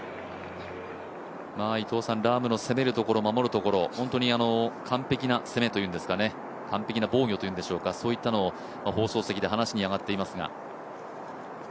ラームの攻めるところ、守るところ、完璧な攻めというんでしょうか、完璧な防御というんですか、そういったのが放送席で話に上がっていますが。